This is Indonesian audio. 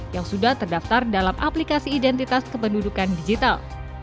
yang sudah terdaftar dalam aplikasi identitas kependudukan digital